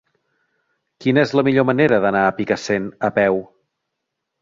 Quina és la millor manera d'anar a Picassent a peu?